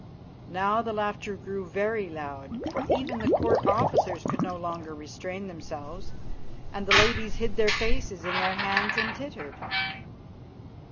Now the laughter grew very loud, for even the Court officers could no longer restrain themselves, and the ladies hid their faces in their hands and tittered.